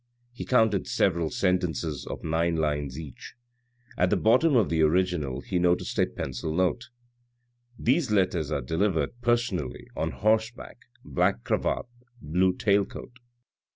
He counted several sentences of nine lines each. At the bottom of the original he noticed a pencilled note. "These letters are delivered personally, on horseback, black cravat, blue tail coat.